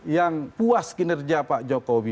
yang puas kinerja pak jokowi